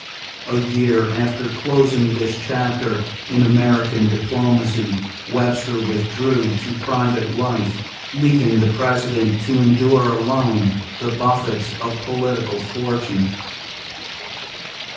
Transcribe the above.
A year after closing this chapter in American diplomacy, Webster withdrew to private life, leaving the President to endure alone the buffets of political fortune.